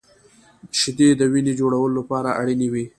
• شیدې د وینې جوړولو لپاره اړینې وي.